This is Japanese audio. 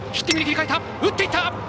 打っていった！